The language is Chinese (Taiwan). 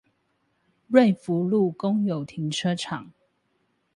瑞福路公共停車場